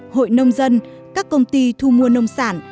hội nông dân các công ty thu mua nông sản